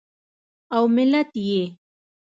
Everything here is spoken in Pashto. او ملت یې